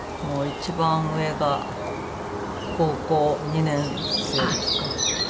もう一番上が高校２年生ですか。